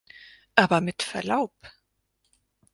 Aber mit Verlaub!